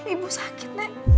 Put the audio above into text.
ibu sakit nek